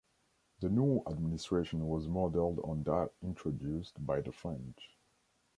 The new administration was modelled on that introduced by the French.